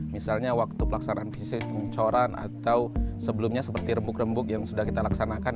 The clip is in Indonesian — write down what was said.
misalnya waktu pelaksanaan visi pengecoran atau sebelumnya seperti rembuk rembuk yang sudah kita laksanakan